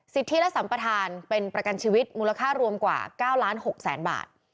สิทธิและสัมประทานเป็นประกันชีวิตมูลค่ารวมกว่า๙๖๐๐๐๐๐บาท